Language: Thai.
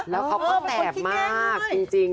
แล้วเขาเป็นคนที่แกล้งมากจริง